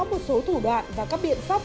một số thủ đoạn và các biện pháp